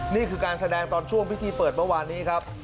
นี่คือการแสดงตอนช่วงพิธีเปิดเมื่อวานนี้ครับ